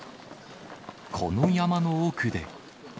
この山の奥で。